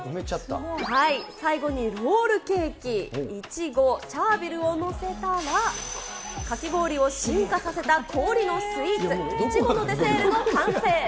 最後にロールケーキ、いちご、チャービルを載せたら、かき氷を進化させた氷のスイーツ、いちごのデセールの完成。